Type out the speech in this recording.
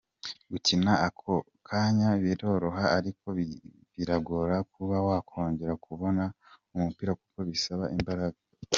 Gukina ako kanya biroroha ariko biragora kuba wakongera kubona umupira kuko bisaba imbaraga.